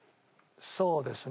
そうですね。